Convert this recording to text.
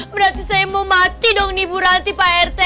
berarti saya mau mati dong nih bu rati pak rt